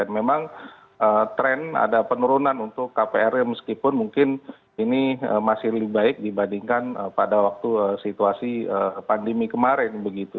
memang tren ada penurunan untuk kpr nya meskipun mungkin ini masih lebih baik dibandingkan pada waktu situasi pandemi kemarin